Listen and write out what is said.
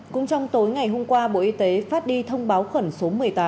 cũng trong tối ngày hôm qua bộ y tế phát đi thông báo khẩn số một mươi tám